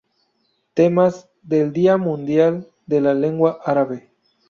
Temas del Día Mundial de la Lengua Árabe